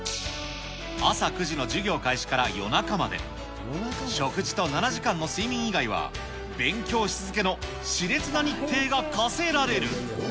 朝９時の授業開始から夜中まで、食事と７時間の睡眠以外は、勉強し続けのしれつな日程が課せられる。